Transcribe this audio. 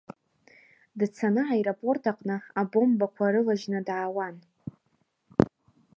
Дцаны аеропорт аҟны абомбақәа рылажьны даауан.